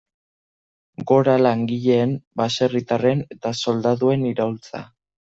Gora langileen, baserritarren eta soldaduen iraultza!